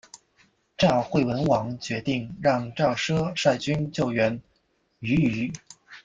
赵惠文王决定让赵奢率军救援阏与。